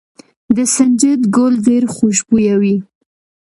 د سنجد ګل ډیر خوشبويه وي.